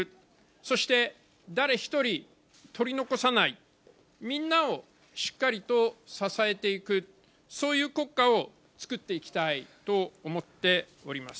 そして誰一人取り残さない、みんなをしっかりと支えていく、そういう国家をつくっていきたいと思っております。